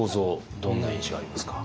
どんな印象ありますか？